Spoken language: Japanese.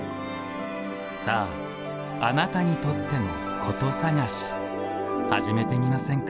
さあ、あなたにとっての古都さがし、始めてみませんか？